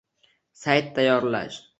Sayt tayyorlash